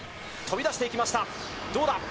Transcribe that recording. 飛び出していきました、どうだ？